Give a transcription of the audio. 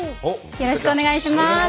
よろしくお願いします。